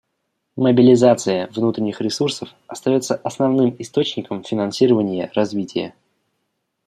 Мобилизация внутренних ресурсов остается основным источником финансирования развития.